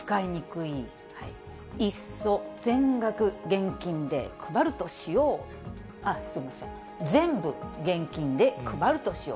いっそ全額現金で配るとしよう、あっ、すみません、全部現金で配るとしよう！